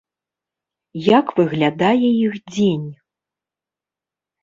Як выглядае іх дзень?